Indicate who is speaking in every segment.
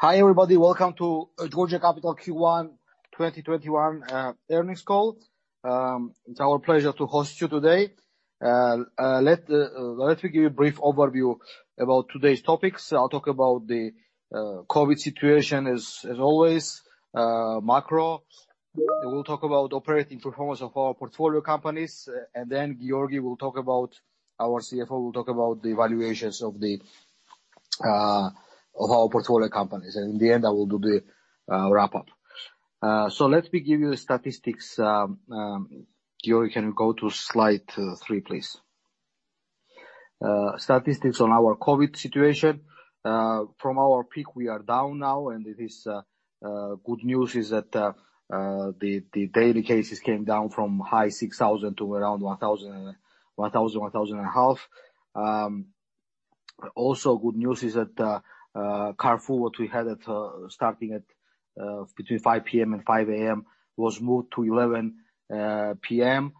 Speaker 1: Hi, everybody. Welcome to Georgia Capital Q1 2021 earnings call. It is our pleasure to host you today. Let me give a brief overview about today's topics. I will talk about the COVID situation as always, macro. We will talk about operating performance of our portfolio companies. Giorgi, our CFO, will talk about the valuations of our portfolio companies. In the end, I will do the wrap-up. Let me give you the statistics. Giorgi, can you go to slide three, please? Statistics on our COVID situation. From our peak, we are down now. The good news is that the daily cases came down from a high 6,000 to around 1,000, 1,500. Also good news is that curfew what we had starting between 5:00 P.M. and 5:00 A.M. was moved to 11:00 P.M.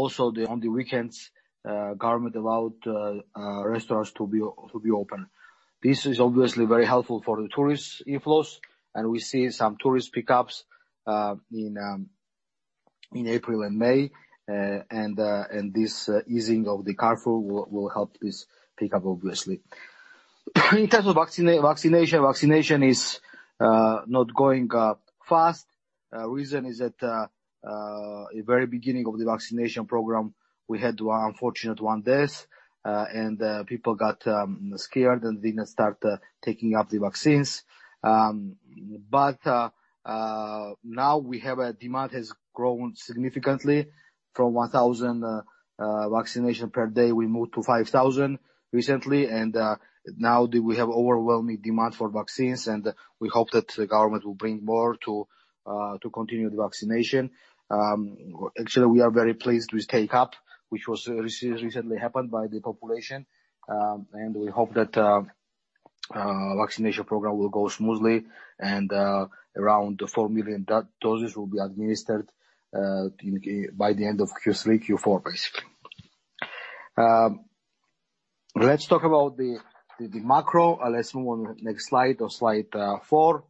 Speaker 1: Also on the weekends, the government allowed restaurants to be open. This is obviously very helpful for the tourist inflows. We see some tourist pickups in April and May. This easing of the curfew will help this pick up, obviously. In terms of vaccination is not going up fast. The reason is at the very beginning of the vaccination program, we had one unfortunate death. People got scared and didn't start taking up the vaccines. Now demand has grown significantly from 1,000 vaccinations per day. We moved to 5,000 recently. Now we have overwhelming demand for vaccines. We hope that the government will bring more to continue the vaccination. Actually, we are very pleased with take-up, which has recently happened by the population. We hope that vaccination program will go smoothly. Around 4 million doses will be administered by the end of Q3, Q4, basically. Let's talk about the macro. Let's move on next slide, on slide four.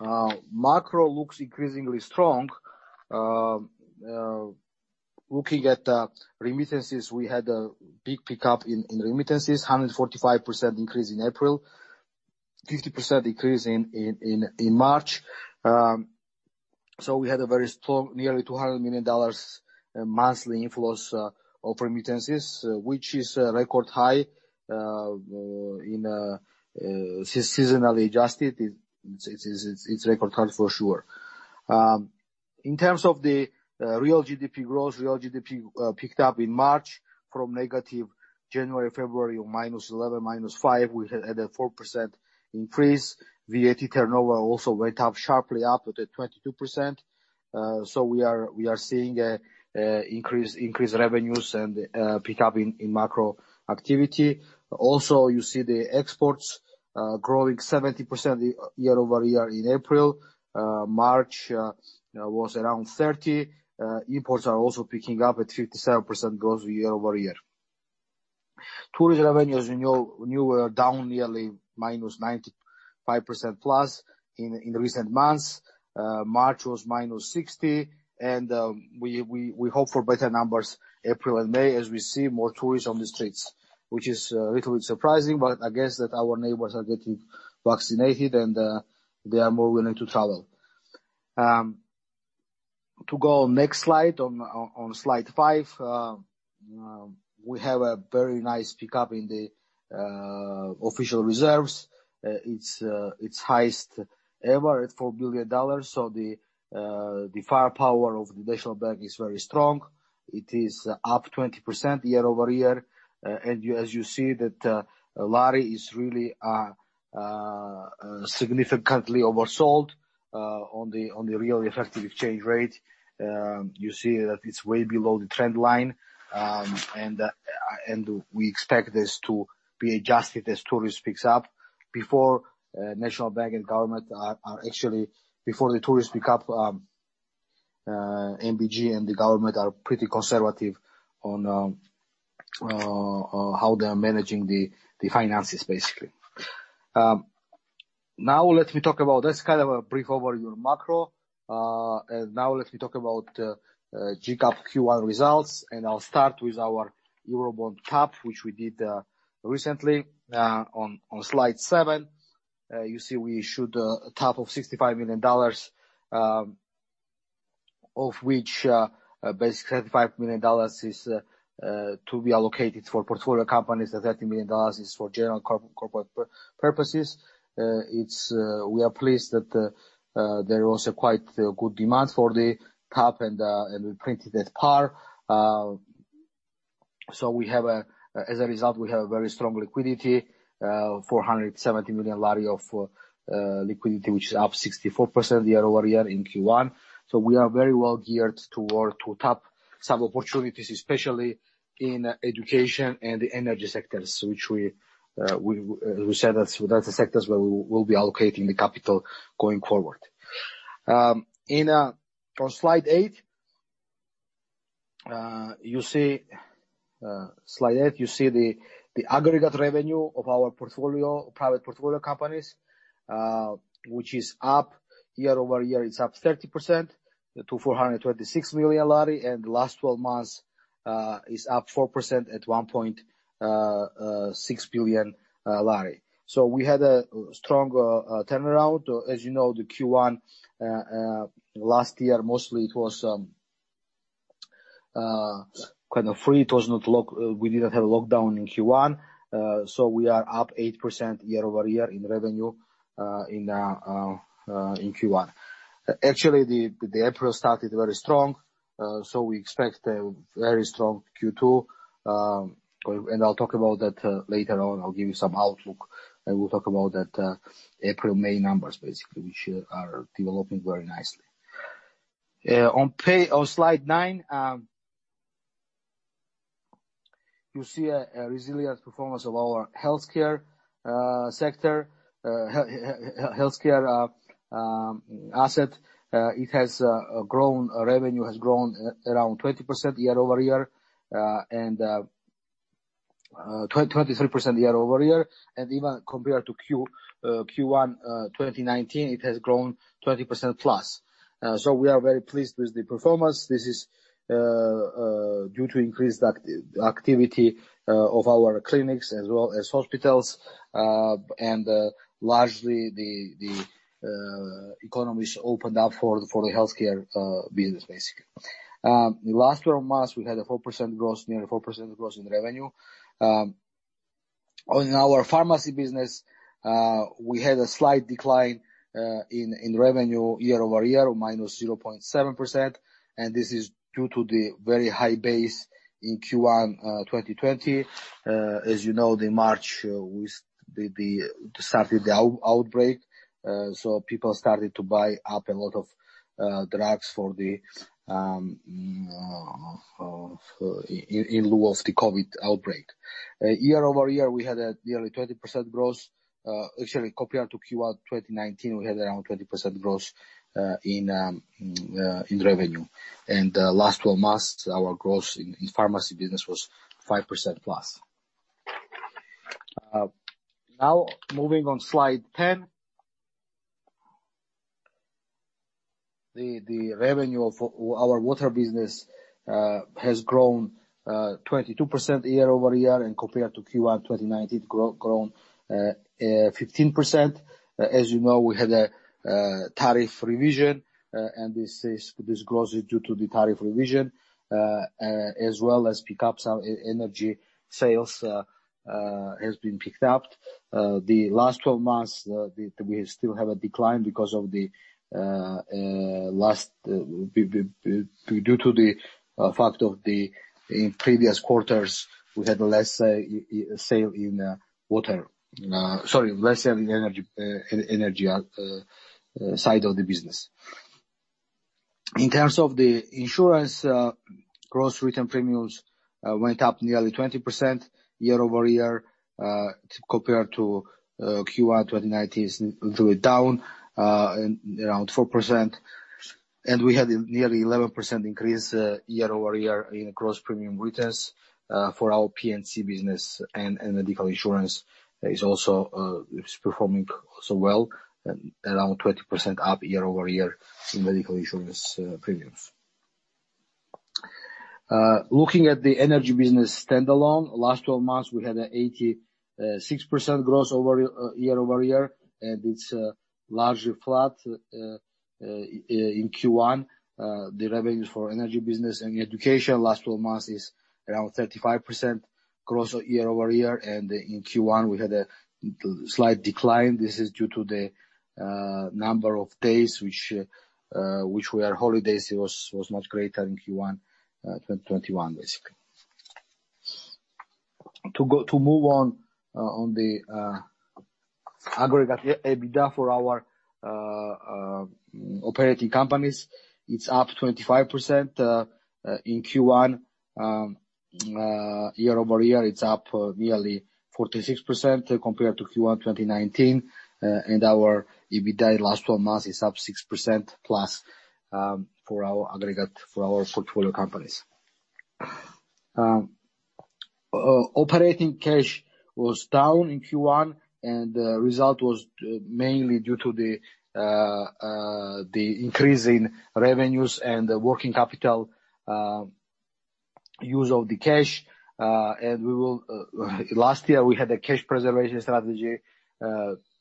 Speaker 1: Macro looks increasingly strong. Looking at remittances, we had a big pickup in remittances, 145% increase in April, 50% increase in March. We had a very strong, nearly GEL 200 million monthly inflows of remittances, which is a record high. Seasonally adjusted, it's a record high for sure. In terms of the real GDP growth, real GDP picked up in March from negative January, February of -11%, -5%, we had a 4% increase. VAT turnover also went up sharply, up to 22%. We are seeing increased revenues and pickup in macro activity. Also, you see the exports growing 70% year-over-year in April. March was around 30%. Imports are also picking up at 57% growth year-over-year. Tourist revenues were down nearly -95%+ in the recent months. March was -60. We hope for better numbers April and May as we see more tourists on the streets, which is a little bit surprising. I guess that our neighbors are getting vaccinated and they are moving to travel. To go on next slide, on slide five, we have a very nice pickup in the official reserves. It's highest ever at $4 billion. The firepower of the National Bank is very strong. It is up 20% year-over-year. As you see that lari is really significantly oversold on the real effective exchange rate. You see that it's way below the trend line. We expect this to be adjusted as tourists pick up. Before the tourists pick up, NBG and the government are pretty conservative on how they are managing the finances, basically. That's kind of a brief overview of macro. Now let me talk about GCAP Q1 results, and I'll start with our Eurobond tap, which we did recently. On slide seven, you see we issued a tap of $65 million, of which basically $35 million is to be allocated for portfolio companies and $30 million is for general corporate purposes. We are pleased that there was a quite good demand for the tap, and we printed that far. As a result, we have very strong liquidity, GEL 470 million of liquidity, which is up 64% year-over-year in Q1. We are very well geared to tap some opportunities, especially in education and energy sectors, which we said that's the sectors where we'll be allocating the capital going forward. On slide eight, you see the aggregate revenue of our private portfolio companies, which is up year-over-year. It's up 30% to GEL 426 million. LTM is up 4% at GEL 1.6 billion. We had a strong turnaround. As you know, the Q1 last year, mostly it was kind of free. We didn't have a lockdown in Q1. We are up 8% year-over-year in revenue in Q1. Actually, the April started very strong. We expect a very strong Q2. I'll talk about that later on. I'll give you some outlook. We'll talk about that April, May numbers basically, which are developing very nicely. On slide nine, you see a resilient performance of our healthcare sector, healthcare asset. Revenue has grown around 20% year-over-year, and 23% year-over-year, and even compared to Q1 2019, it has grown 20%+. We are very pleased with the performance. This is due to increased activity of our clinics as well as hospitals, and largely the economies opened up for the healthcare business, basically. In the last 12 months, we had a 4% growth, near 4% growth in revenue. In our pharmacy business, we had a slight decline in revenue year-over-year, minus 0.7%, and this is due to the very high base in Q1 2020. As you know, the March, we started the outbreak, so people started to buy up a lot of drugs in lieu of the COVID outbreak. Year-over-year, we had nearly 20% growth. Actually, compared to Q1 2019, we had around 20% growth in revenue. Last 12 months, our growth in pharmacy business was 5%+. Now, moving on slide 10. The revenue of our water business has grown 22% year-over-year and compared to Q1 2019, grown 15%. As you know, we had a tariff revision. This growth is due to the tariff revision, as well as energy sales has been picked up. The last 12 months, we still have a decline due to the fact of the previous quarters, we had less sale in water. Sorry, less sale in energy side of the business. In terms of the insurance, gross written premiums went up nearly 20% year-over-year compared to Q1 2019, it's a little bit down, around 4%. We had a nearly 11% increase year-over-year in gross premium returns for our P&C business and medical insurance is also performing so well, around 20% up year-over-year in medical insurance premiums. Looking at the energy business standalone, last 12 months, we had an 86% growth year-over-year. It's largely flat in Q1. The revenues for energy business and education last 12 months is around 35% growth year-over-year. In Q1, we had a slight decline. This is due to the number of days which were holidays. It was not great in Q1 2021, basically. To move on the aggregate EBITDA for our operating companies, it's up 25% in Q1. Year-over-year, it's up nearly 46% compared to Q1 2019. Our EBITDA last 12 months is up 6% plus for our aggregate, for our portfolio companies. Operating cash was down in Q1. The result was mainly due to the increase in revenues and the working capital use of the cash. Last year, we had a cash preservation strategy.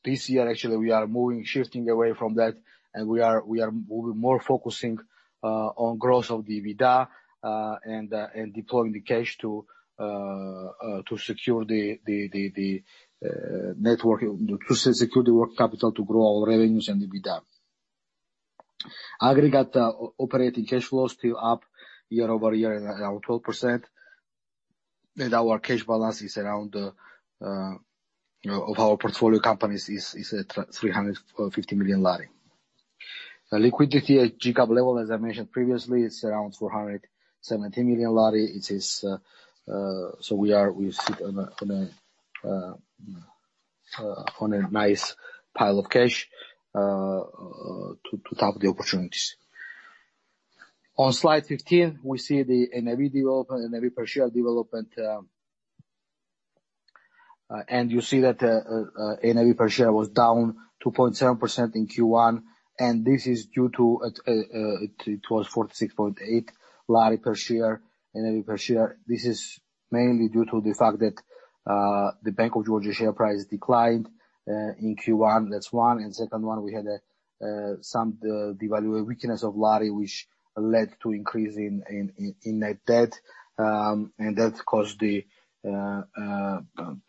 Speaker 1: This year, actually, we are shifting away from that, and we are more focusing on growth of the EBITDA and deploying the cash to secure the working capital to grow our revenues and EBITDA. Aggregate operating cash flow is still up year-over-year around 12%, and our cash balance of our portfolio companies is at GEL 350 million. Liquidity at GCAP level, as I mentioned previously, it's around GEL 470 million. On a nice pile of cash to top the opportunities. On slide 15, we see the NAV per share development. You see that NAV per share was down 2.7% in Q1, it was GEL 46.8 per share, lari per share. This is mainly due to the fact that the Bank of Georgia share price declined in Q1. That's one. Second one, we had some devaluation weakness of lari, which led to increase in net debt.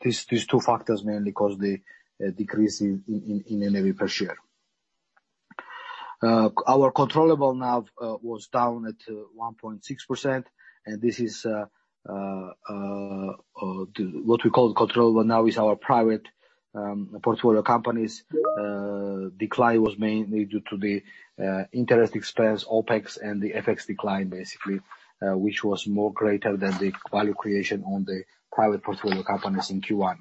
Speaker 1: These two factors mainly caused the decrease in NAV per share. Our controllable NAV was down at 1.6%, and this is what we call controllable NAV is our private portfolio companies. Decline was mainly due to the interest expense, OPEX, and the FX decline basically, which was more greater than the value creation on the private portfolio companies in Q1.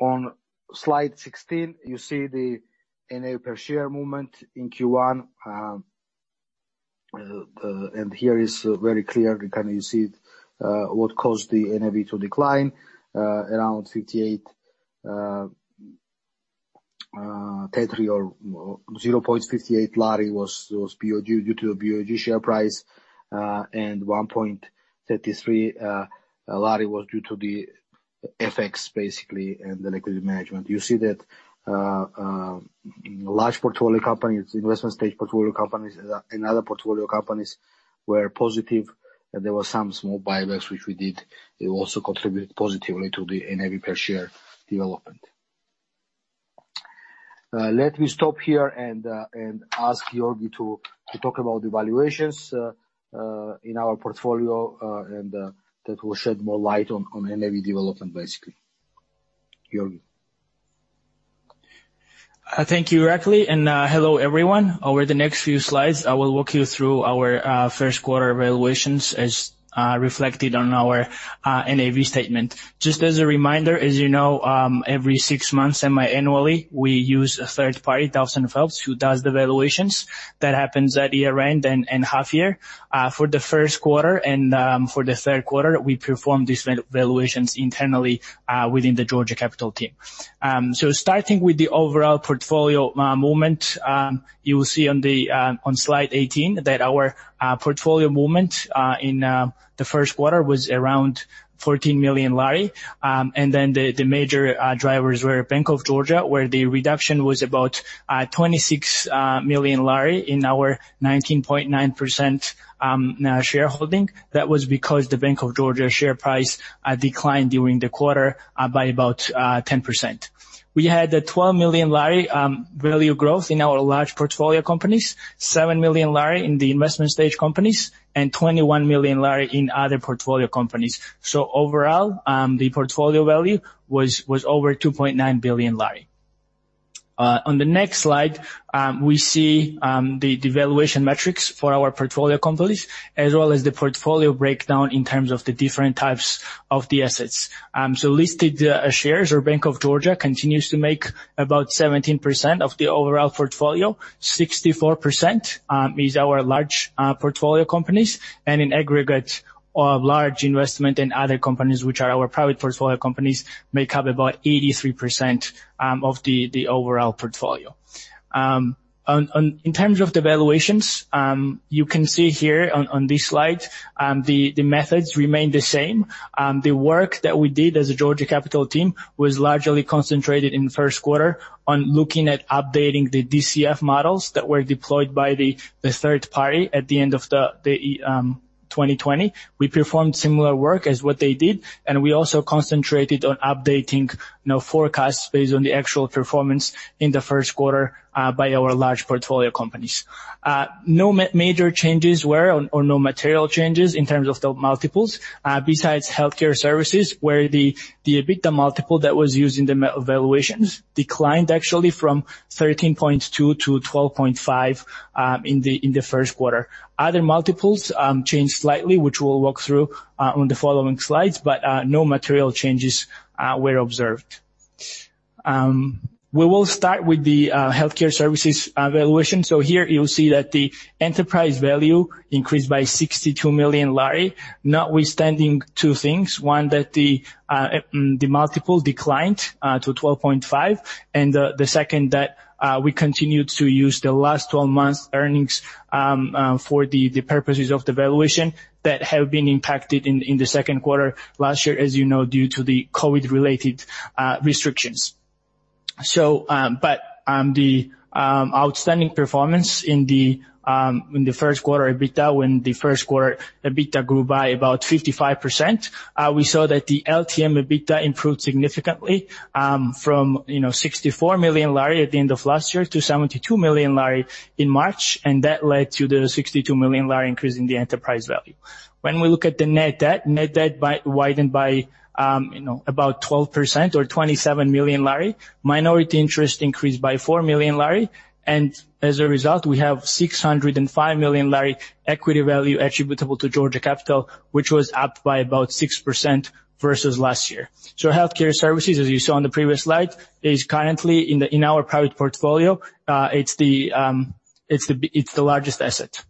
Speaker 1: On Slide 16, you see the NAV per share movement in Q1. Here is very clear, you can see it, what caused the NAV to decline. Around 38 Tetri or GEL 0.38 was due to the BoG share price, and GEL 1.33 was due to the FX basically, and the liquidity management. You see that large portfolio companies, investment stage portfolio companies, and other portfolio companies were positive. There were some small buybacks, which we did. They also contribute positively to the NAV per share development. Let me stop here and ask Giorgi to talk about the valuations in our portfolio. That will shed more light on NAV development, basically. Giorgi.
Speaker 2: Thank you, Irakli, and hello, everyone. Over the next few slides, I will walk you through our first quarter valuations as reflected on our NAV statement. Just as a reminder, as you know, every 6 months semi-annually, we use a third party, Duff & Phelps, who does the valuations. That happens at year-end and half year. For the first quarter and for the third quarter, we perform these valuations internally within the Georgia Capital team. Starting with the overall portfolio movement, you will see on Slide 18 that our portfolio movement in the first quarter was around GEL 14 million, the major drivers were Bank of Georgia, where the reduction was about GEL 26 million in our 19.9% shareholding. That was because the Bank of Georgia share price declined during the quarter by about 10%. We had a GEL 12 million value growth in our large portfolio companies, GEL 7 million in the investment stage companies, and GEL 21 million in other portfolio companies. Overall, the portfolio value was over GEL 2.9 billion. On the next slide, we see the valuation metrics for our portfolio companies, as well as the portfolio breakdown in terms of the different types of the assets. Listed shares or Bank of Georgia continues to make about 17% of the overall portfolio, 64% is our large portfolio companies. In aggregate, our large investment in other companies, which are our private portfolio companies, make up about 83% of the overall portfolio. In terms of the valuations, you can see here on this slide, the methods remain the same. The work that we did as a Georgia Capital team was largely concentrated in the first quarter on looking at updating the DCF models that were deployed by the third party at the end of 2020. We performed similar work as what they did, and we also concentrated on updating forecasts based on the actual performance in the first quarter by our large portfolio companies. No major changes were or no material changes in terms of the multiples, besides healthcare services, where the EBITDA multiple that was used in the valuations declined actually from 13.2 to 12.5 in the first quarter. Other multiples changed slightly, which we'll walk through on the following slides, but no material changes were observed. We will start with the healthcare services valuation. Here you'll see that the enterprise value increased by GEL 62 million, notwithstanding two things. One, that the multiple declined to 12.5, and the second that we continued to use the last 12 months earnings for the purposes of the valuation that have been impacted in the second quarter last year, as you know, due to the COVID-related restrictions. The outstanding performance in the first quarter EBITDA, when the first quarter EBITDA grew by about 55%, we saw that the LTM EBITDA improved significantly from GEL 64 million at the end of last year to GEL 72 million in March, and that led to the GEL 62 million increase in the enterprise value. When we look at the net debt, net debt widened by about 12% or GEL 27 million. Minority interest increased by GEL 4 million, and as a result, we have GEL 605 million equity value attributable to Georgia Capital, which was up by about 6% versus last year. Healthcare services, as you saw on the previous slide, is currently in our private portfolio. It's the largest asset.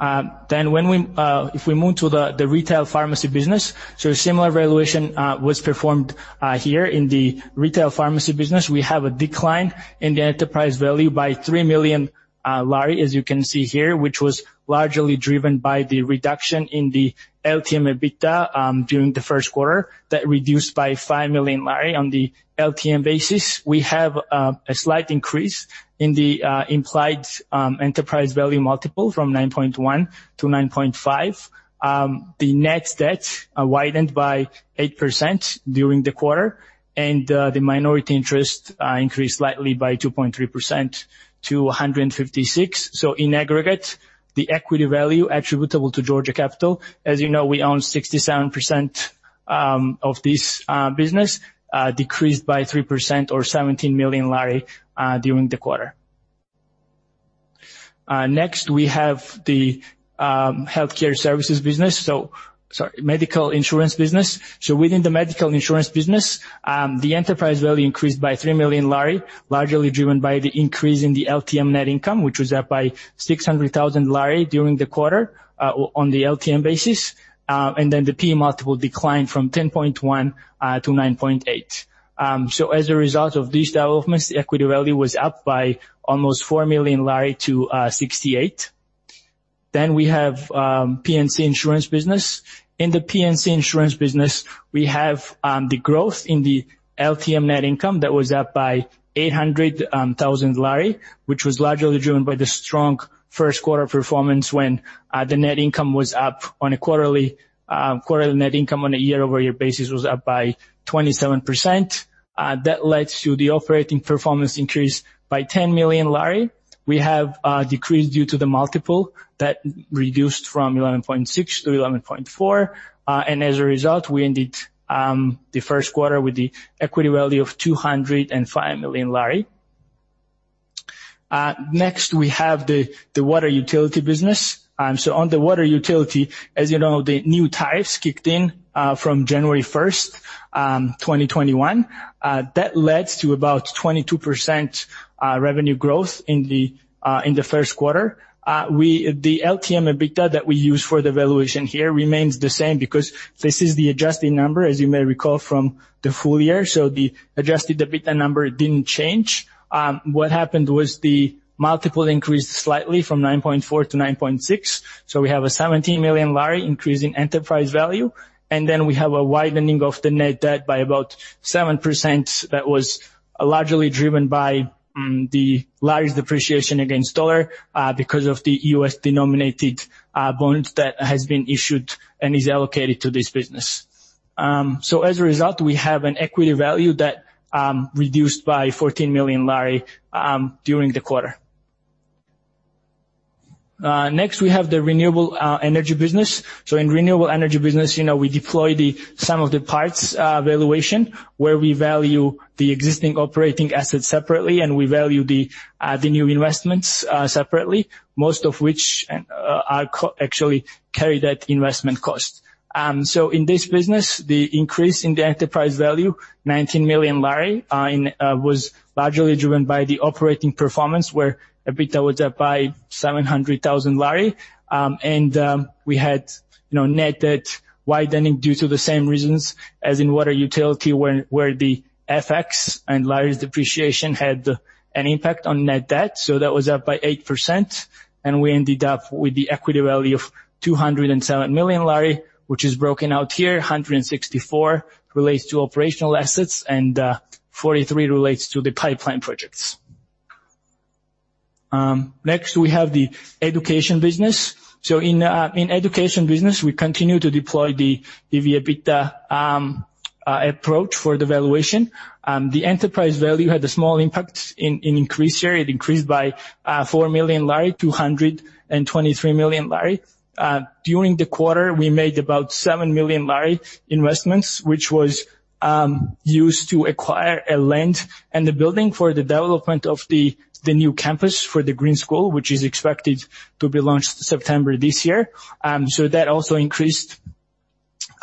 Speaker 2: If we move to the retail pharmacy business, a similar valuation was performed here in the retail pharmacy business. We have a decline in the enterprise value by GEL 3 million, as you can see here, which was largely driven by the reduction in the LTM EBITDA during the first quarter. That reduced by GEL 5 million on the LTM basis. We have a slight increase in the implied enterprise value multiple from 9.1 to 9.5. The net debt widened by 8% during the quarter, the minority interest increased slightly by 2.3% to GEL 156. In aggregate, the equity value attributable to Georgia Capital, as you know, we own 67% of this business, decreased by 3% or GEL 17 million during the quarter. We have the medical insurance business. Within the medical insurance business, the enterprise value increased by GEL 3 million, largely driven by the increase in the LTM net income, which was up by GEL 600,000 during the quarter on the LTM basis. The P/E multiple declined from 10.1 to 9.8. As a result of these developments, the equity value was up by almost GEL 4 million to GEL 68 million. We have P&C insurance business. In the P&C insurance business, we have the growth in the LTM net income that was up by GEL 800,000, which was largely driven by the strong first quarter performance when the net income was up on a quarterly net income on a year-over-year basis was up by 27%. That led to the operating performance increase by GEL 10 million. We have a decrease due to the multiple that reduced from 11.6 to 11.4. As a result, we ended the first quarter with the equity value of GEL 205 million. Next, we have the water utility business. On the water utility, as you know, the new tariffs kicked in from January 1st, 2021. That led to about 22% revenue growth in the first quarter. The LTM EBITDA that we use for the valuation here remains the same because this is the adjusted number, as you may recall from the full year, the adjusted EBITDA number didn't change. What happened was the multiple increased slightly from 9.4 to 9.6. We have a GEL 17 million increase in enterprise value, and then we have a widening of the net debt by about 7%. That was largely driven by the lari's depreciation against dollar, because of the U.S. denominated bonds that has been issued and is allocated to this business. As a result, we have an equity value that reduced by GEL 14 million during the quarter. Next, we have the renewable energy business. In renewable energy business, we deploy the sum of the parts valuation, where we value the existing operating assets separately and we value the new investments separately, most of which actually carry that investment cost. In this business, the increase in the enterprise value, GEL 19 million, was largely driven by the operating performance, where EBITDA was up by GEL 700,000. We had net debt widening due to the same reasons as in water utility, where the FX and lari's depreciation had an impact on net debt. That was up by 8%, and we ended up with the equity value of GEL 207 million, which is broken out here, GEL 164 relates to operational assets and GEL 43 relates to the pipeline projects. Next, we have the education business. In education business, we continue to deploy the EBITDA approach for the valuation. The enterprise value had a small impact in increase here. It increased by GEL 4 million, GEL 223 million. During the quarter, we made about GEL 7 million investments, which was used to acquire a land and the building for the development of the new campus for the Green School, which is expected to be launched September this year. That also increased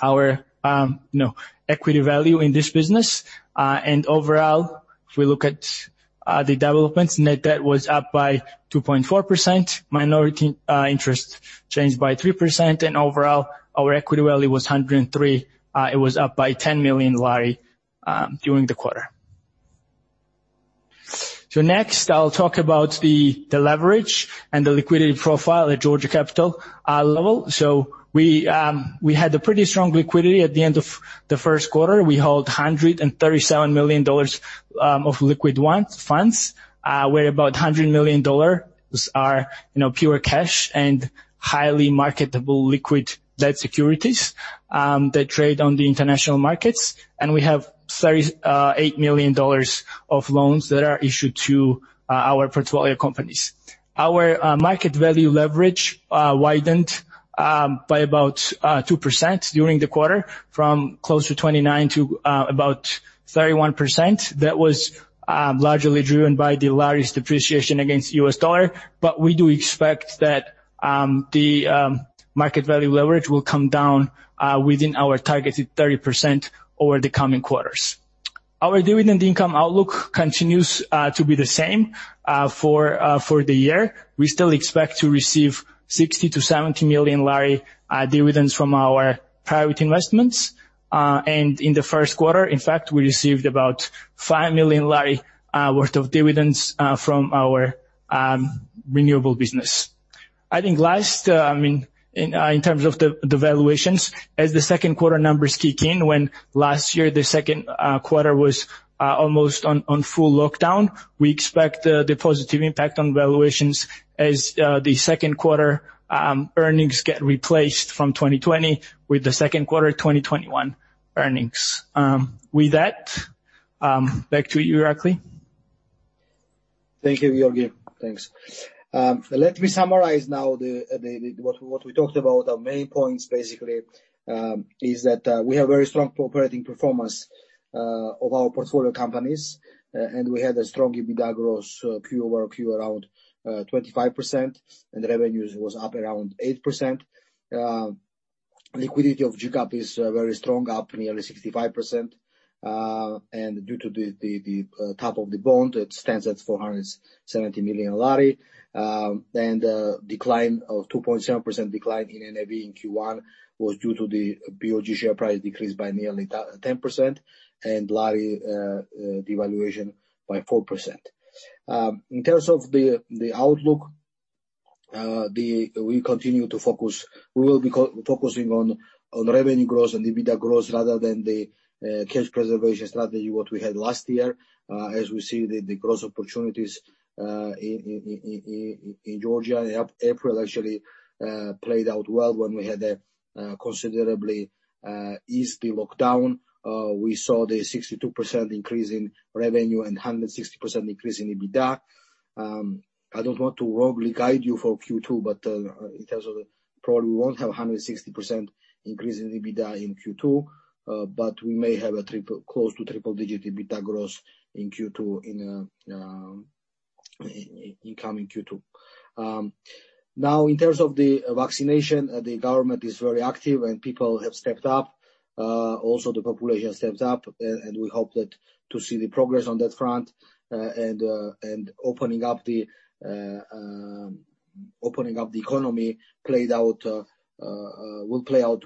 Speaker 2: our equity value in this business. Overall, if we look at the developments, net debt was up by 2.4%, minority interest changed by 3%, and overall, our equity value was GEL 103. It was up by GEL 10 million during the quarter. Next, I'll talk about the leverage and the liquidity profile at Georgia Capital level. We had a pretty strong liquidity at the end of the first quarter. We hold $137 million of liquid funds, where about $100 million are pure cash and highly marketable liquid debt securities that trade on the international markets. We have $38 million of loans that are issued to our portfolio companies. Our market value leverage widened by about 2% during the quarter, from close to 29% to about 31%. That was largely driven by the lari's depreciation against U.S. dollar. We do expect that the market value leverage will come down within our target to 30% over the coming quarters. Our dividend income outlook continues to be the same for the year. We still expect to receive GEL 60 million-GEL 70 million dividends from our private investments. In the first quarter, in fact, we received about five million GEL worth of dividends from our renewable business. I think, in terms of the valuations, as the second quarter numbers kick in, when last year the second quarter was almost on full lockdown, we expect the positive impact on valuations as the second quarter earnings get replaced from 2020 with the second quarter 2021 earnings. With that, back to you, Irakli.
Speaker 1: Thank you, Giorgi. Thanks. Let me summarize now what we talked about. Our main points basically is that we have very strong operating performance of our portfolio companies, and we had a strong EBITDA growth Q over Q, around 25%, and revenues was up around 8%. Liquidity of GCAP is very strong, up nearly 65%, and due to the tap of the bond, it stands at GEL 470 million. 2.7% decline in NAV in Q1 was due to the BoG share price decreased by nearly 10%, and lari devaluation by 4%. In terms of the outlook, we will be focusing on revenue growth and EBITDA growth rather than the cash preservation strategy what we had last year, as we see the growth opportunities in Georgia. April actually played out well when we had a considerably eased lockdown. We saw the 62% increase in revenue and 160% increase in EBITDA. I don't want to wrongly guide you for Q2, but in terms of probably won't have 160% increase in EBITDA in Q2, but we may have close to triple-digit EBITDA growth in Q2, in coming Q2. In terms of the vaccination, the government is very active, and people have stepped up. The population stepped up, and we hope to see the progress on that front. Opening up the economy will play out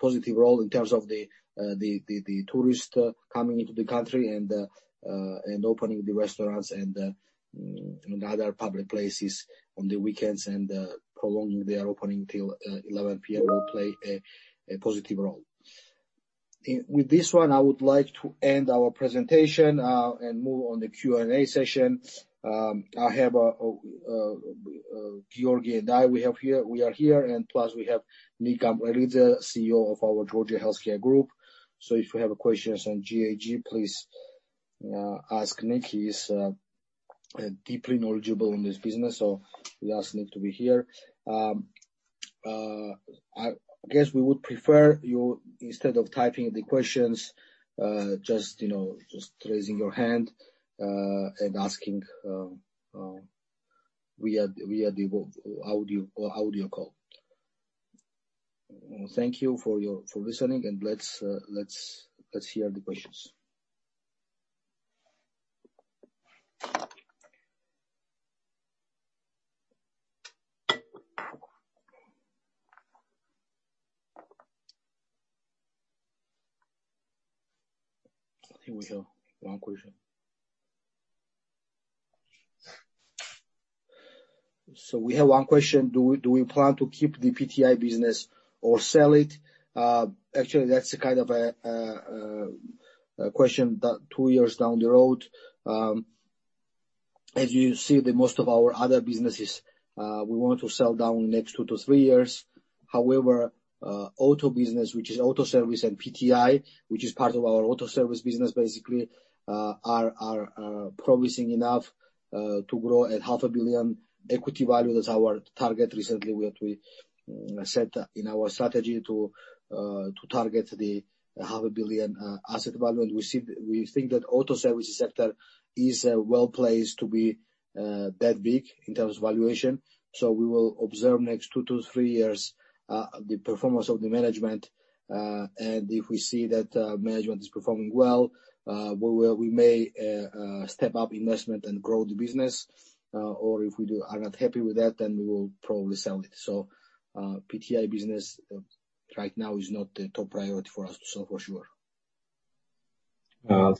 Speaker 1: positive role in terms of the tourist coming into the country and opening the restaurants and other public places on the weekends, and prolonging their opening till 11:00 P.M. will play a positive role. With this one, I would like to end our presentation and move on the Q&A session. Giorgi and I, we are here, and plus we have Nikoloz Gamkrelidze, CEO of our Georgia Healthcare Group. If you have questions on GHG, please ask Nika. He's deeply knowledgeable in this business, so we ask him to be here. I guess we would prefer you, instead of typing the questions, just raising your hand, and asking via the audio call. Thank you for listening, and let's hear the questions. I think we have one question. We have one question. Do we plan to keep the PTI business or sell it? Actually, that's a kind of a question that two years down the road. As you see that most of our other businesses, we want to sell down next two to three years. Auto business, which is auto service and PTI, which is part of our auto service business, basically, are promising enough to grow at half a billion equity value. That's our target recently what we set in our strategy to target the half a billion asset value. We think that auto services sector is well-placed to be that big in terms of valuation. We will observe next two to three years the performance of the management, and if we see that management is performing well, we may step up investment and grow the business. If we are not happy with that, we will probably sell it. PTI business right now is not a top priority for us to sell for sure.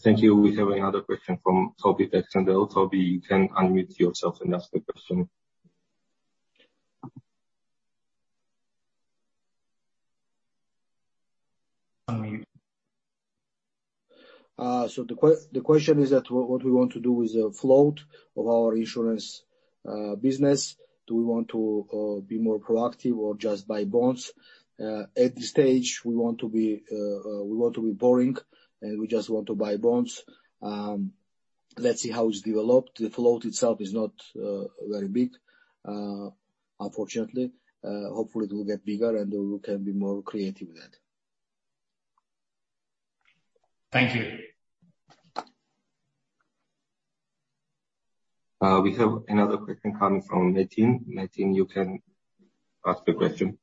Speaker 2: Thank you. We have another question from Tornike Gogichaishvili. Toby, you can unmute yourself and ask the question.
Speaker 1: The question is that what we want to do with the float of our insurance business? Do we want to be more proactive or just buy bonds? At this stage, we want to be boring, and we just want to buy bonds. Let's see how it's developed. The float itself is not very big, unfortunately. Hopefully, it will get bigger, and we can be more creative with it.
Speaker 2: Thank you.
Speaker 3: We have another question coming from Metin. Metin, you can ask the question.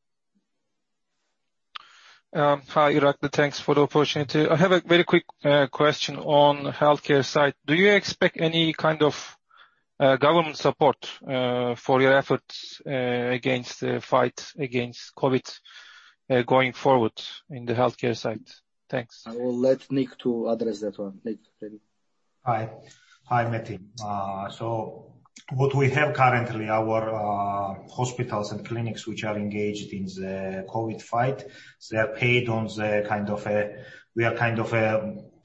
Speaker 4: Hi, Irakli. Thanks for the opportunity. I have a very quick question on the healthcare side. Do you expect any kind of government support for your efforts against the fight against COVID going forward in the healthcare side? Thanks.
Speaker 1: I will let Nik to address that one. Nik, tell him.
Speaker 5: Hi, Metin. What we have currently, our hospitals and clinics, which are engaged in the COVID fight, they are paid on a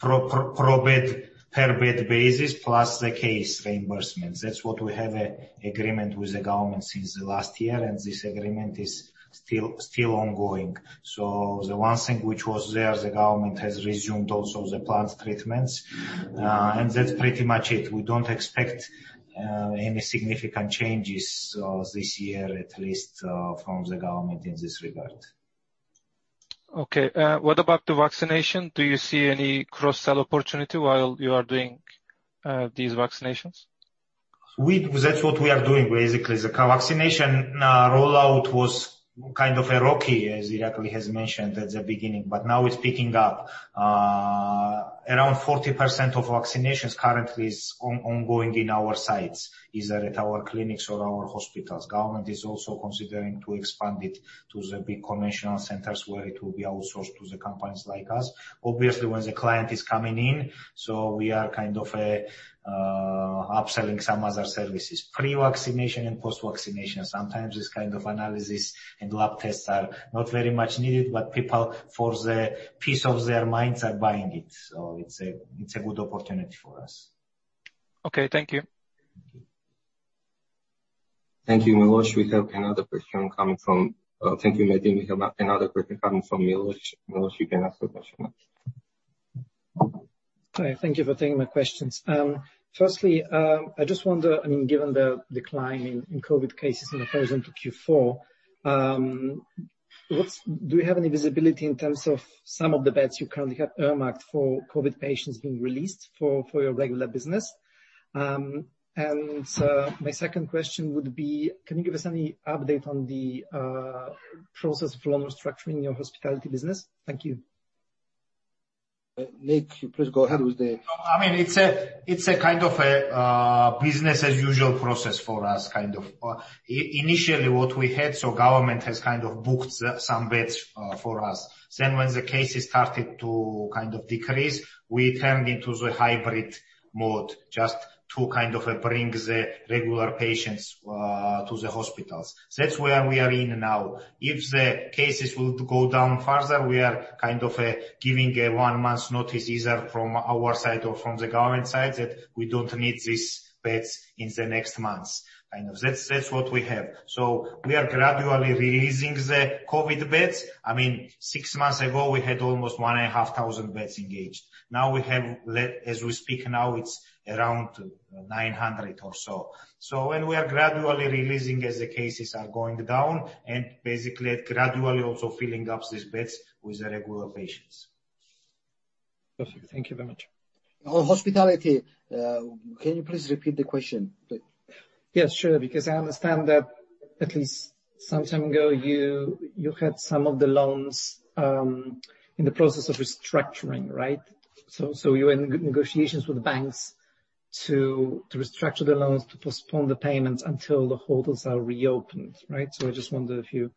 Speaker 5: per bed basis plus the case reimbursement. That's what we have an agreement with the government since last year, this agreement is still ongoing. The one thing which was there, the government has resumed also the planned treatments. That's pretty much it. We don't expect any significant changes this year, at least from the government in this regard.
Speaker 4: Okay. What about the vaccination? Do you see any cross-sell opportunity while you are doing these vaccinations?
Speaker 5: That's what we are doing, basically. The vaccination rollout was kind of rocky, as Irakli has mentioned at the beginning. Now it's picking up. Around 40% of vaccinations currently is ongoing in our sites, either at our clinics or our hospitals. government is also considering to expand it to the big conventional centers where it will be outsourced to the companies like us. Obviously, when the client is coming in, so we are upselling some other services. Pre-vaccination and post-vaccination. Sometimes this kind of analysis and lab tests are not very much needed, but people, for the peace of their minds, are buying it. It's a good opportunity for us.
Speaker 4: Okay, thank you.
Speaker 3: Thank you, Metin. We have another question coming from Milos. Milos, you can ask the question.
Speaker 6: Hi, thank you for taking my questions. Firstly, I just wonder, given the decline in COVID cases in comparison to Q4, do you have any visibility in terms of some of the beds you currently have earmarked for COVID patients being released for your regular business? My second question would be, can you give us any update on the process of restructuring your hospitality business? Thank you.
Speaker 1: Nik, you please go ahead with.
Speaker 5: It's a kind of a business as usual process for us. Initially what we had, government has booked some beds for us. When the cases started to decrease, we turned into the hybrid mode just to bring the regular patients to the hospitals. That's where we are in now. If the cases would go down further, we are giving a one month's notice either from our side or from the government side that we don't need these beds in the next month. That's what we have. We are gradually releasing the COVID beds. Six months ago, we had almost one and a half thousand beds engaged. Now we have, as we speak now, it's around 900 or so. When we are gradually releasing as the cases are going down, and basically gradually also filling up these beds with the regular patients.
Speaker 6: Perfect. Thank you very much.
Speaker 5: On hospitality, can you please repeat the question?
Speaker 6: Yeah, sure. Because I understand that at least some time ago, you had some of the loans in the process of restructuring, right? You're in negotiations with banks to restructure the loans, to postpone the payments until the hotels are reopened, right? I just wonder if you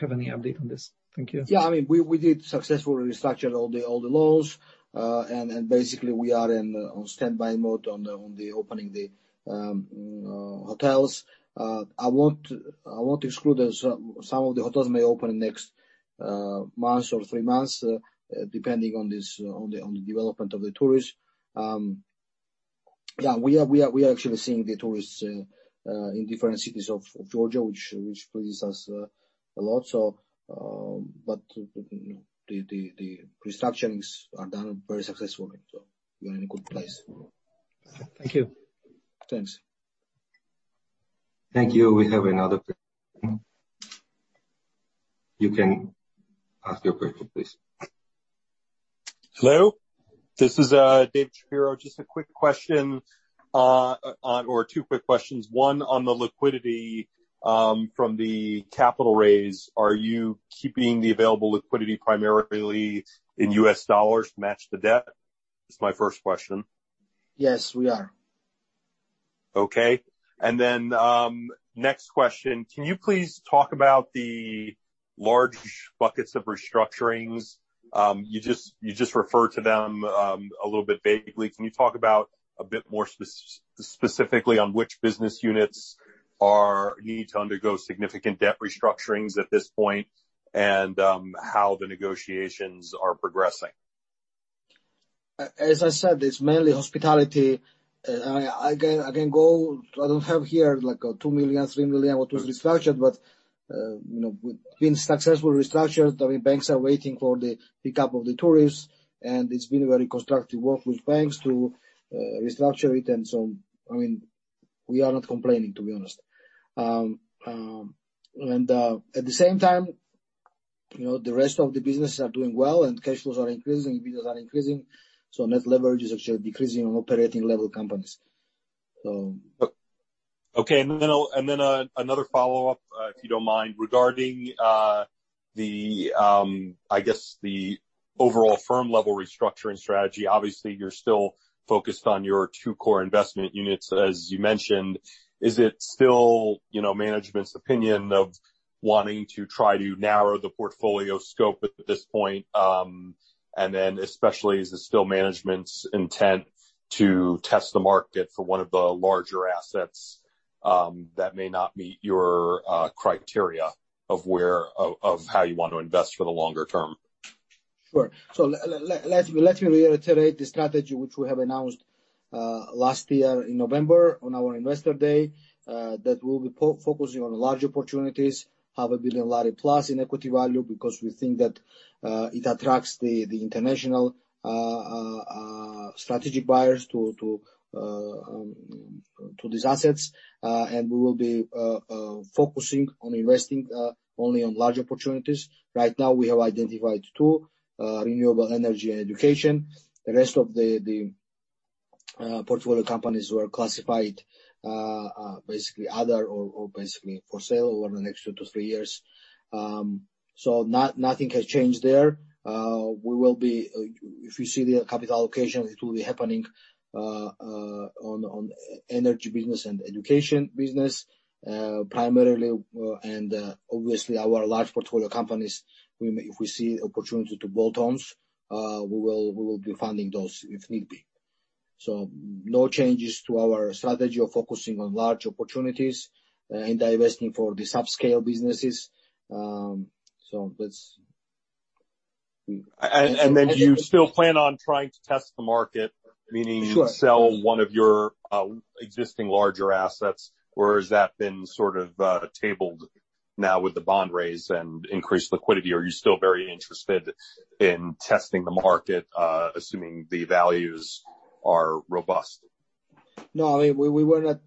Speaker 6: have any update on this. Thank you.
Speaker 1: Yeah, we did successfully restructure all the loans, basically, we are in standby mode on the opening the hotels. I won't exclude that some of the hotels may open next month or three months, depending on the development of the tourists. Yeah, we are actually seeing the tourists in different cities of Georgia, which pleases us a lot. The restructuring is done very successfully, we are in a good place.
Speaker 6: Thank you.
Speaker 5: Thanks.
Speaker 3: Thank you. We have another question. You can ask your question, please.
Speaker 7: Hello, this is Dave Shapiro. Just a quick question, or two quick questions. One on the liquidity from the capital raise. Are you keeping the available liquidity primarily in U.S. dollars to match the debt? That's my first question.
Speaker 1: Yes, we are.
Speaker 7: Okay. Next question. Can you please talk about the large buckets of restructurings? You just referred to them a little bit vaguely. Can you talk about a bit more specifically on which business units need to undergo significant debt restructurings at this point, and how the negotiations are progressing?
Speaker 1: As I said, it's mainly hospitality. I don't have here, like GEL 2 million, GEL 3 million what was restructured. With being successful restructures, the banks are waiting for the pickup of the tourists. It's been very constructive work with banks to restructure it. We are not complaining, to be honest. The rest of the business are doing well and cash flows are increasing, bills are increasing. Net leverage is actually decreasing on operating level companies.
Speaker 7: Okay. Another follow-up, if you don't mind, regarding the overall firm-level restructuring strategy. Obviously, you're still focused on your two core investment units, as you mentioned. Is it still management's opinion of wanting to try to narrow the portfolio scope at this point? Especially, is it still management's intent to test the market for one of the larger assets that may not meet your criteria of how you want to invest for the longer term?
Speaker 1: Sure. Let me reiterate the strategy which we have announced last year in November on our investor day, that we'll be focusing on large opportunities, GEL 500 million in equity value, because we think that it attracts the international strategic buyers to these assets. We will be focusing on investing only on large opportunities. Right now, we have identified two, renewable energy and education. The rest of the portfolio companies were classified basically other or basically for sale over the next two to three years. Nothing has changed there. If you see the capital allocation, it will be happening on energy business and education business primarily. Obviously our large portfolio companies, if we see opportunity to build those, we will be funding those if need be. No changes to our strategy of focusing on large opportunities and divesting for the subscale businesses. So that's-
Speaker 7: Maybe you still plan on trying to test the market, meaning you sell one of your existing larger assets, or has that been sort of tabled now with the bond raise and increased liquidity? Are you still very interested in testing the market, assuming the values are robust?
Speaker 1: No, we were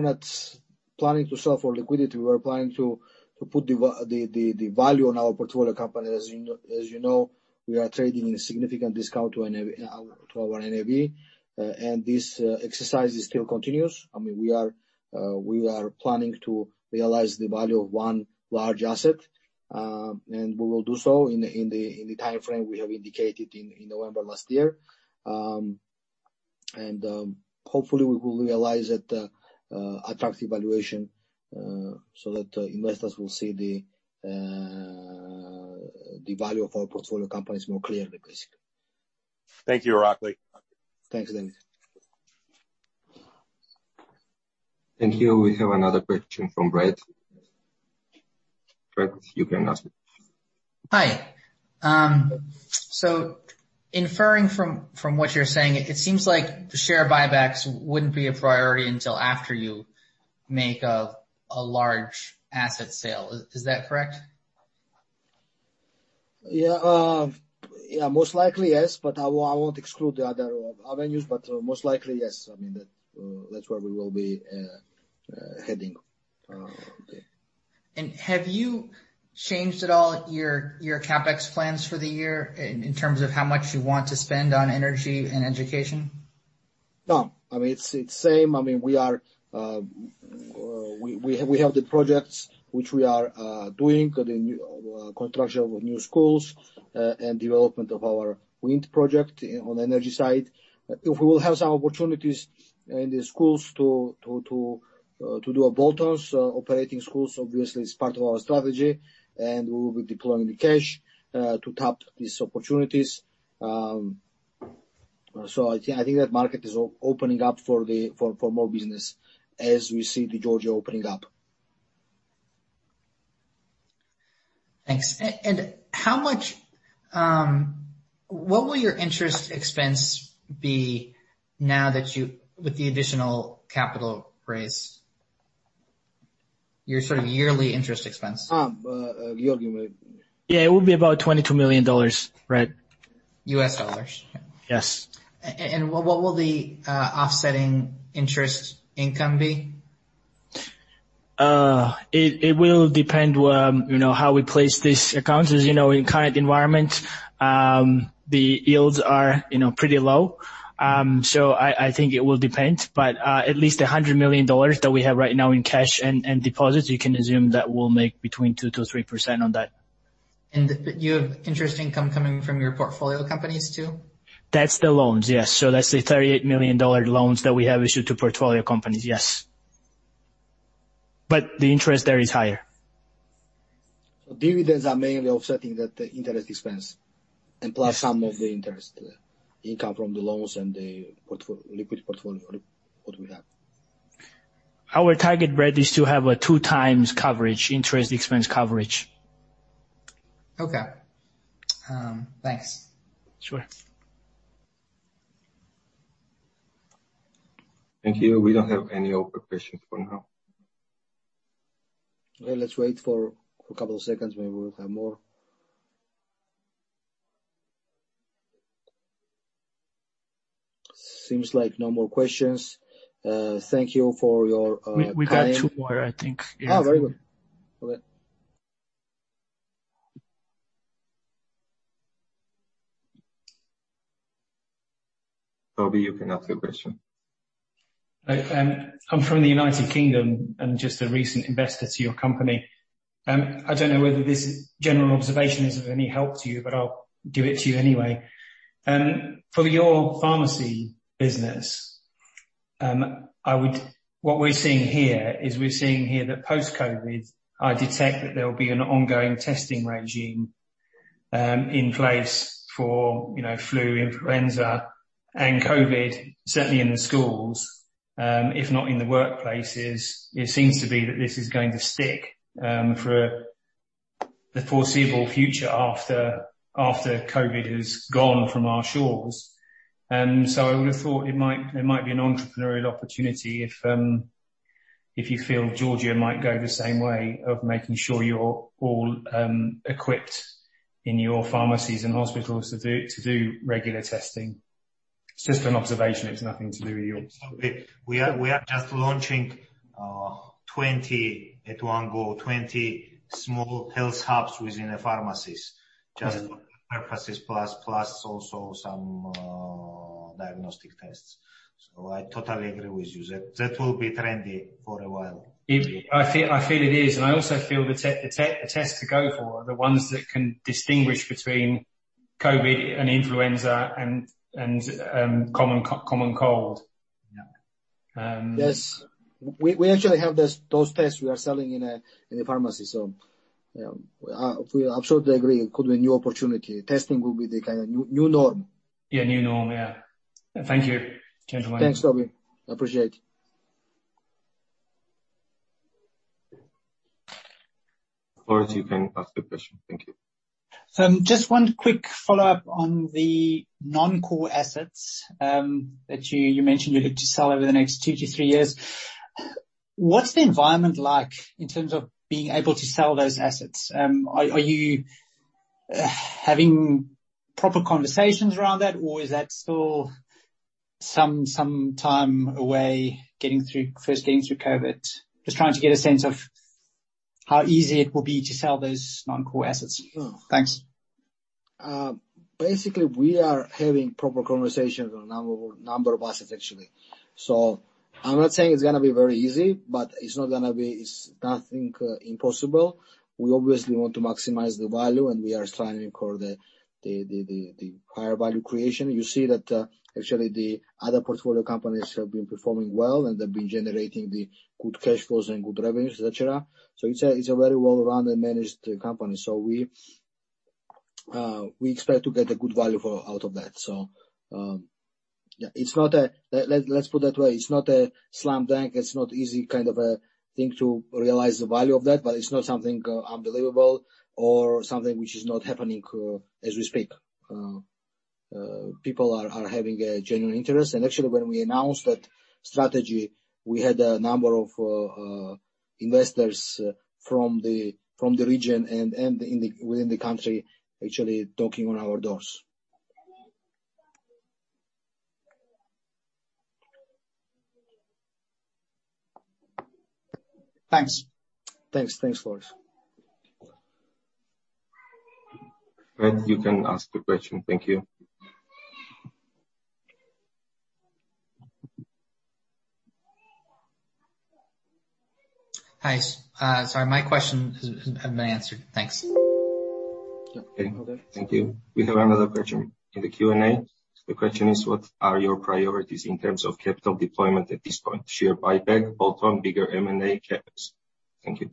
Speaker 1: not planning to sell for liquidity. We were planning to put the value on our portfolio company. As you know, we are trading in a significant discount to our NAV. This exercise still continues. We are planning to realize the value of one large asset, and we will do so in the timeframe we have indicated in November last year. Hopefully, we will realize that attractive valuation, so that investors will see the value of our portfolio companies more clearly, basically.
Speaker 7: Thank you, Irakli.
Speaker 1: Thanks, Dave.
Speaker 3: Here we have another question from Brett. Brett, you can ask.
Speaker 8: Hi. Inferring from what you're saying, it seems like the share buybacks wouldn't be a priority until after you make a large asset sale. Is that correct?
Speaker 1: Yeah. Most likely, yes, but I won't exclude the other avenues, but most likely, yes. That's where we will be heading.
Speaker 8: Have you changed at all your CapEx plans for the year in terms of how much you want to spend on energy and education?
Speaker 1: No. It's the same. We have the projects which we are doing, the construction of new schools and development of our wind project on energy side. If we will have some opportunities in the schools to do bolt-ons, operating schools, obviously it's part of our strategy, we will be deploying the cash to tap these opportunities. I think that market is opening up for more business as we see the Georgia opening up.
Speaker 8: Thanks. What will your interest expense be now with the additional capital raise? Your sort of yearly interest expense.
Speaker 1: You can go ahead.
Speaker 2: Yeah, it will be about $22 million.
Speaker 8: U.S. dollars?
Speaker 2: Yes.
Speaker 8: What will the offsetting interest income be?
Speaker 2: It will depend how we place these accounts. As you know, in current environment, the yields are pretty low. I think it will depend, but at least GEL 100 million that we have right now in cash and deposits, you can assume that we'll make between 2%-3% on that.
Speaker 8: You have interest income coming from your portfolio companies, too?
Speaker 2: That's the loans, yes. That's the GEL 38 million loans that we have issued to portfolio companies, yes. The interest there is higher.
Speaker 1: Dividends are mainly offsetting the interest expense and plus some of the interest income from the loans and the liquid portfolio, what we have.
Speaker 2: Our target rate is to have a two times coverage, interest expense coverage.
Speaker 8: Okay. Thanks.
Speaker 2: Sure.
Speaker 3: Thank you. We don't have any other questions for now.
Speaker 1: Okay. Let's wait for a couple seconds. Maybe we'll have more. Seems like no more questions. Thank you for your time.
Speaker 3: We got two more, I think.
Speaker 1: Oh, really? Okay.
Speaker 3: Toby, you can ask your question.
Speaker 9: I'm from the United Kingdom, and just a recent investor to your company. I don't know whether this general observation is of any help to you, but I'll give it to you anyway. For your pharmacy business, what we're seeing here is we're seeing here that post-COVID, I detect that there will be an ongoing testing regime in place for flu, influenza, and COVID, certainly in the schools, if not in the workplaces. It seems to be that this is going to stick for the foreseeable future after COVID has gone from our shores. I would have thought it might be an entrepreneurial opportunity if you feel Georgia might go the same way of making sure you're all equipped in your pharmacies and hospitals to do regular testing. It's just an observation. It's nothing to do with you.
Speaker 1: We are just launching at one go, 20 small health hubs within the pharmacies.
Speaker 9: Right.
Speaker 1: Test purposes plus also some diagnostic tests. I totally agree with you. That will be trendy for a while.
Speaker 9: I feel it is, and I also feel the tests to go for are the ones that can distinguish between COVID and influenza and common cold.
Speaker 1: Yes. We actually have those tests we are selling in the pharmacy. I absolutely agree. It could be a new opportunity. Testing will be the new norm.
Speaker 9: Yeah, new norm, yeah. Thank you, gentlemen.
Speaker 1: Thanks, Toby. Appreciate it.
Speaker 3: Florence, you can ask your question. Thank you.
Speaker 10: Just one quick follow-up on the non-core assets that you mentioned you hope to sell over the next two to three years. What's the environment like in terms of being able to sell those assets? Are you having proper conversations around that, or is that still some time away getting first into COVID? Just trying to get a sense of how easy it will be to sell those non-core assets. Thanks.
Speaker 1: We are having proper conversations on a number of assets, actually. I'm not saying it's going to be very easy, but it's nothing impossible. We obviously want to maximize the value, we are striving for the higher value creation. You see that actually the other portfolio companies have been performing well, they've been generating good cash flows and good revenues, et cetera. It's a very well-run and managed company. We expect to get a good value out of that. Let's put it that way. It's not a slam dunk. It's not easy kind of a thing to realize the value of that, it's not something unbelievable or something which is not happening as we speak. People are having a genuine interest. Actually, when we announced that strategy, we had a number of investors from the region and within the country actually knocking on our doors. Thanks. Thanks, Florence.
Speaker 3: Matt, you can ask your question. Thank you.
Speaker 11: Hi. Sorry, my question has been answered. Thanks.
Speaker 3: Okay. Thank you. We have another question in the Q&A. The question is, what are your priorities in terms of capital deployment at this point? Share buyback, bolt-on, bigger M&A, CapEx? Thank you.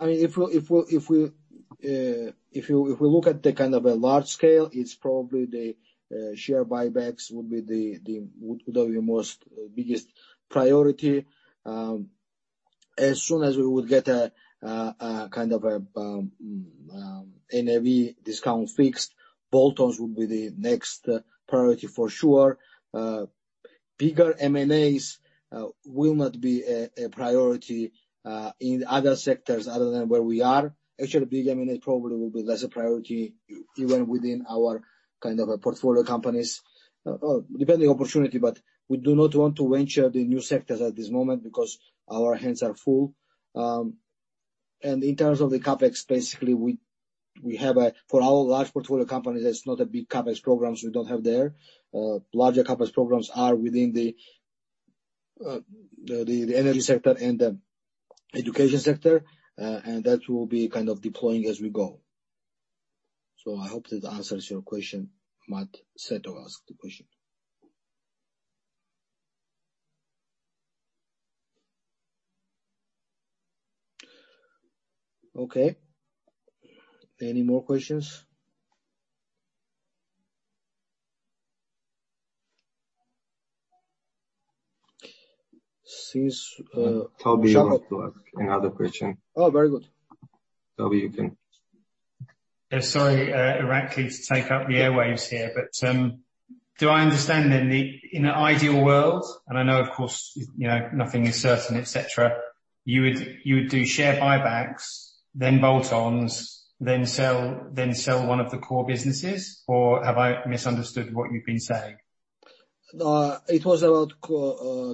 Speaker 1: If we look at the kind of a large scale, it's probably the share buybacks would be the biggest priority. As soon as we would get a kind of a NAV discount fixed, bolt-ons would be the next priority for sure. Bigger M&As will not be a priority in other sectors other than where we are. Actually, big M&A probably will be less a priority even within our kind of portfolio companies. Depending on opportunity, we do not want to venture the new sectors at this moment because our hands are full. In terms of the CapEx, basically for our large portfolio companies, that's not a big CapEx programs we don't have there. Larger CapEx programs are within the energy sector and the education sector, that will be kind of deploying as we go. I hope that answers your question, Matt Seto asked the question. Okay. Any more questions?
Speaker 3: Toby, you can go. You have the question.
Speaker 1: Oh, very good.
Speaker 3: Toby, you can.
Speaker 9: Sorry, Irakli, to take up the airwaves here, do I understand in an ideal world, and I know, of course, nothing is certain, et cetera. You would do share buybacks, then bolt-ons, then sell one of the core businesses, or have I misunderstood what you've been saying?
Speaker 1: It was about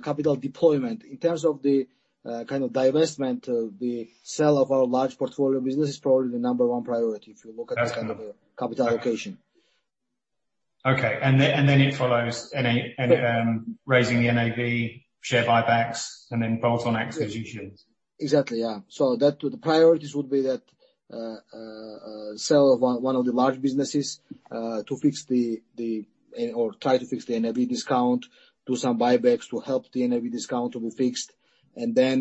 Speaker 1: capital deployment. In terms of the kind of divestment, the sale of our large portfolio business is probably the number one priority if you look at.
Speaker 9: Okay
Speaker 1: capital allocation.
Speaker 9: Okay. It follows raising the NAV, share buybacks, and then bolt-on acquisitions.
Speaker 1: Exactly. Yeah. The priorities would be sell one of the large businesses to fix or try to fix the NAV discount, do some buybacks to help the NAV discount to be fixed, and then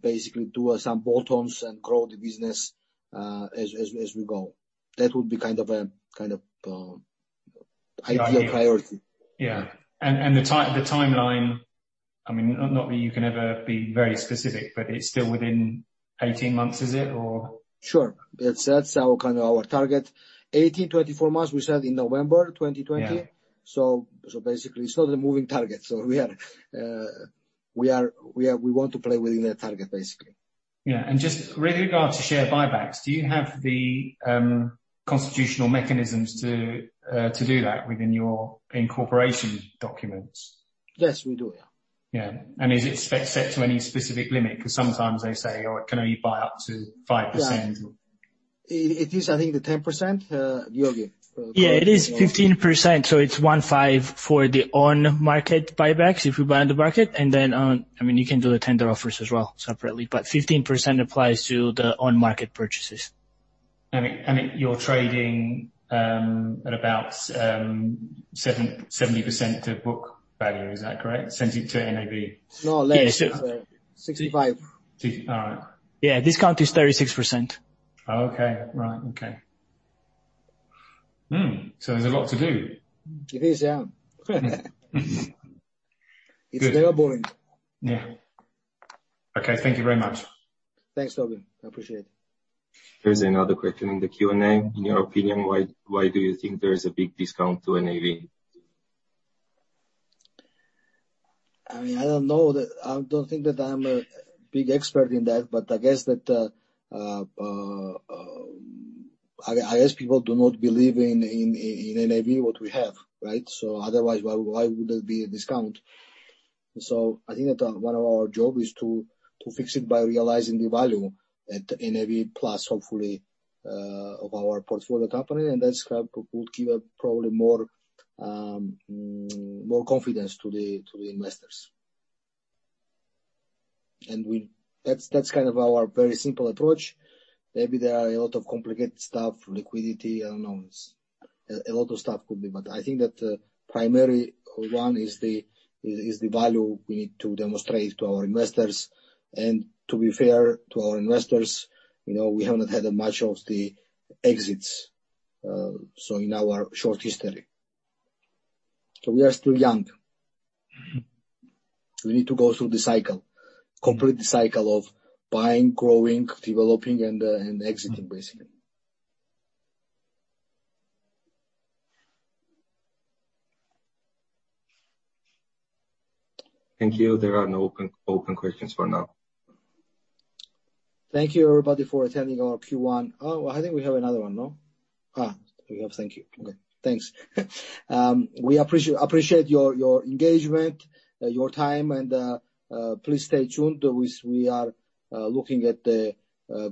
Speaker 1: basically do some bolt-ons and grow the business as we go. That would be kind of ideal priority.
Speaker 9: Yeah. The timeline, not that you can ever be very specific, but it's still within 18 months, is it?
Speaker 1: Sure. That's our target. 18-24 months, we said in November 2020.
Speaker 9: Yeah.
Speaker 1: Basically, it's not a moving target. We want to play within that target, basically.
Speaker 9: Yeah. Just with regard to share buybacks, do you have the constitutional mechanisms to do that within your incorporation documents?
Speaker 1: Yes, we do. Yeah.
Speaker 9: Yeah. Is it set to any specific limit? Because sometimes they say, "Oh, it can only buy up to 5%.
Speaker 1: Yeah. It is, I think, the 10%, Giorgi.
Speaker 2: Yeah, it is 15%. It's 15 for the on-market buybacks, if we buy on the market, and then you can do the tender offers as well separately. 15% applies to the on-market purchases.
Speaker 9: You're trading at about 70% of book value, is that correct? 70% to NAV.
Speaker 1: No, less. 65%.
Speaker 9: All right.
Speaker 2: Yeah, discount is 36%.
Speaker 9: Okay. Right. Okay. Hmm. There's a lot to do.
Speaker 1: It is, yeah. It's never boring.
Speaker 9: Yeah. Okay, thank you very much.
Speaker 1: Thanks, Toby. I appreciate it.
Speaker 2: There is another question in the Q&A. In your opinion, why do you think there is a big discount to NAV?
Speaker 1: I don't know. I don't think that I'm a big expert in that, but I guess people do not believe in NAV what we have, right? Otherwise, why would there be a discount? I think that one of our job is to fix it by realizing the value, NAV plus hopefully, of our portfolio company, and that will give probably more confidence to the investors. That's kind of our very simple approach. Maybe there are a lot of complicated stuff, liquidity, unknowns, a lot of stuff could be, but I think that the primary one is the value we need to demonstrate to our investors. To be fair to our investors, we haven't had much of the exits, so in our short history. We are still young. We need to go through the cycle, complete the cycle of buying, growing, developing, and exiting, basically.
Speaker 2: Thank you. There are no open questions for now.
Speaker 1: Thank you, everybody, for attending our Q1. I think we have another one, no? We don't. Thank you. Okay. Thanks. We appreciate your engagement, your time, and please stay tuned. We are looking at the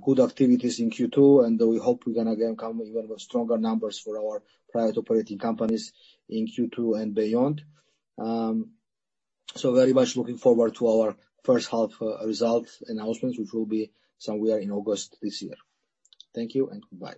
Speaker 1: good activities in Q2, and we hope we're going to again come with even more stronger numbers for our private operating companies in Q2 and beyond. Very much looking forward to our first half results announcement, which will be somewhere in August this year. Thank you and goodbye